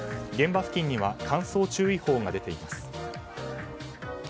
現場付近には乾燥注意報が出ています。